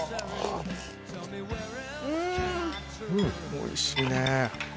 おいしいね！